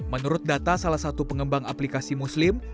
menurut data salah satu pengembang aplikasi muslim